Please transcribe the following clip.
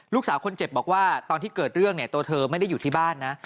ลูกสาวคนเจ็บบอกว่าตอนที่เกิดเรื่องเนี่ยตัวเธอไม่ได้อยู่ที่บ้านนะ